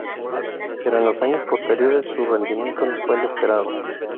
Pero en los años posteriores su rendimiento no fue el esperado.